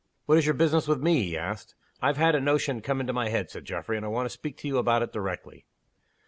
"What is your business with me?" he asked. "I've had a notion come into my head," said Geoffrey. "And I want to speak to you about it directly."